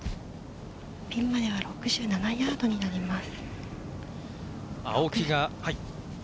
ピンまでは６７ヤードになります。